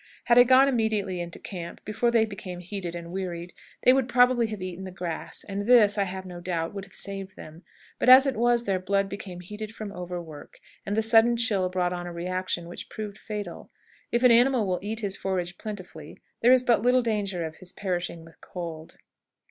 Had I gone immediately into camp, before they became heated and wearied, they would probably have eaten the grass, and this, I have no doubt, would have saved them; but as it was, their blood became heated from overwork, and the sudden chill brought on a reaction which proved fatal. If an animal will eat his forage plentifully, there is but little danger of his perishing with cold.